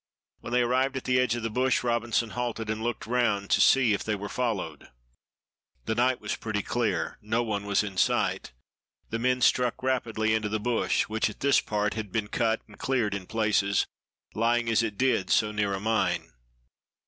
When they arrived at the edge of the bush, Robinson halted and looked round to see if they were followed. The night was pretty clear; no one was in sight. The men struck rapidly into the bush, which at this part had been cut and cleared in places, lying as it did so near a mine.